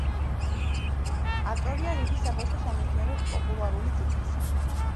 ავტორია რიგი საბავშვო სამეცნიერო-პოპულარული წიგნისა.